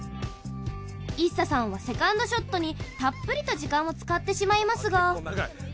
ＩＳＳＡさんはセカンドショットにたっぷりと時間を使ってしまいますが。